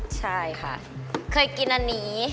ใช่ค่ะเคยกินอันนี้